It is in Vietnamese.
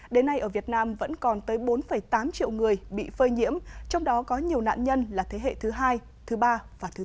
đến nay ở việt nam vẫn còn tới bốn tám triệu người bị phơi nhiễm trong đó có nhiều nạn nhân là thế hệ thứ hai thứ ba và thứ bốn